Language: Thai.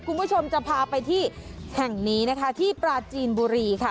คุณผู้ชมจะพาไปที่แห่งนี้นะคะที่ปราจีนบุรีค่ะ